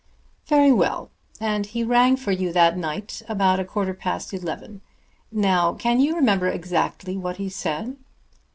"Very well; and he rang for you that night about a quarter past eleven. Now can you remember exactly what he said?"